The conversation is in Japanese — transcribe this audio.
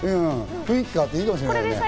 雰囲気変わっていいかもしれない。